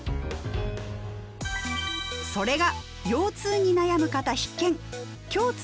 それが腰痛に悩む方必見！